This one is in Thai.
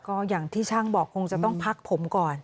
ก็อย่างที่ช่างบอกคงจะต้องพักผมก่อน